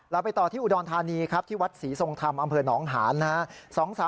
ไปต่อที่อุดรธานีครับที่วัดศรีทรงธรรมอำเภอหนองหานนะครับ